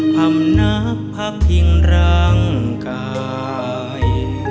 พร้อมนักพักผิงรังกาย